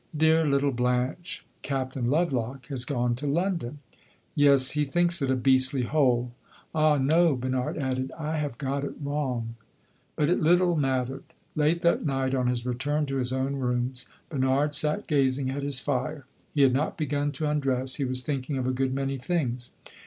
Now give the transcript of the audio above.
"Dear little Blanche! Captain Lovelock has gone to London." "Yes, he thinks it a beastly hole. Ah, no," Bernard added, "I have got it wrong." But it little mattered. Late that night, on his return to his own rooms, Bernard sat gazing at his fire. He had not begun to undress; he was thinking of a good many things.